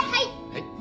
はい。